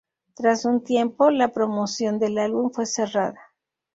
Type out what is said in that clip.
Tras un tiempo, la promoción del álbum fue cerrada.